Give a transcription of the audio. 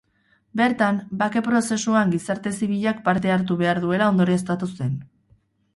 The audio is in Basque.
Bertan, bake prozesuan gizarte zibilak parte hartu behar duela ondorioztatu zen.